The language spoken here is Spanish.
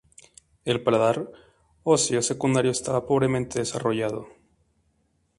El paladar óseo secundario estaba pobremente desarrollado.